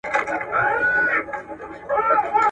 کالي د مور له خوا وچول کيږي،